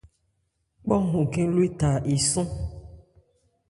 Kpánhɔn khɛ́n lo étha esɔ́n.